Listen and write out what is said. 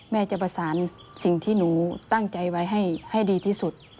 แม่จะประสานสิ่งที่หนูตั้งใจไว้ให้ดีที่สุด